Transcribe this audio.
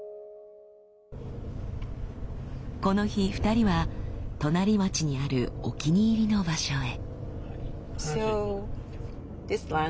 この日２人は隣町にあるお気に入りの場所へ。